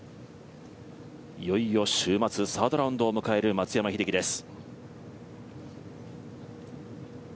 いよいよ週末、サードラウンドを迎える松山英樹です。